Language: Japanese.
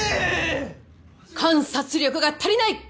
観察力が足りない！